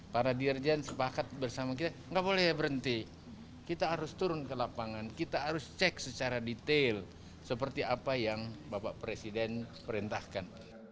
para dirjen sepakat bersama kita nggak boleh berhenti kita harus turun ke lapangan kita harus cek secara detail seperti apa yang bapak presiden perintahkan